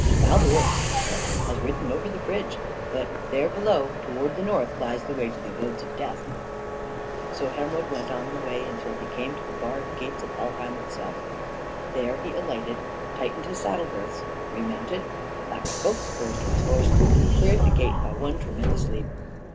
"Baldur," she said, "has ridden over the bridge; but there below, towards the north, lies the way to the Abodes of Death." So Hermod went on the way until he came to the barred gates of Helheim itself. There he alighted, tightened his saddle girths, remounted, clapped both spurs to his horse, and cleared the gate by one tremendous leap.